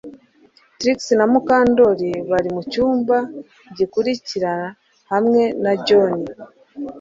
Trix na Mukandoli bari mucyumba gikurikira hamwe na John